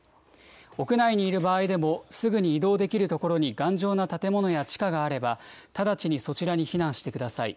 屋内にいる場合でも、すぐに移動できる所に頑丈な建物や地下があれば、直ちにそちらに避難してください。